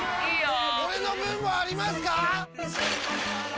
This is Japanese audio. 俺の分もありますか！？